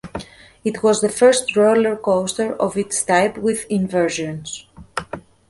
It was the first roller coaster of its type with inversions.